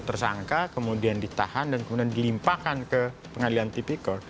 tersangka kemudian ditahan dan kemudian dilimpahkan ke pengadilan tipikor